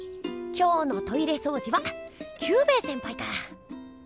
今日のトイレそうじはキュウベイせんぱいかぁ。